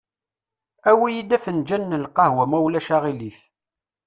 Awi-yi-d afenǧal n lqehwa, ma ulac aɣilif.